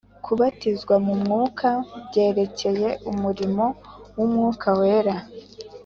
Kubatizwa mu Mwuka byerekeye umurimo w'Umwuka Wera